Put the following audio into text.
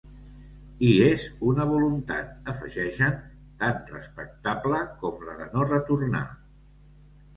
I és una voluntat, afegeixen, ‘tant respectable com la de no retornar’.